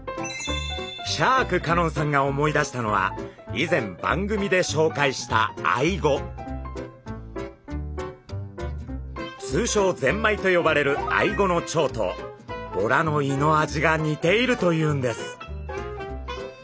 シャーク香音さんが思い出したのは以前番組でしょうかいしたつうしょうゼンマイと呼ばれるアイゴの腸とボラの胃の味が似ているというんです。